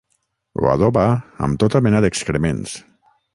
Ho adoba amb tota mena d'excrements.